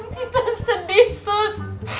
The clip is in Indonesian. kita sedih sus